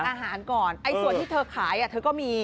อาหารก่อนไอ้ส่วนที่เธอขายเธอก็มี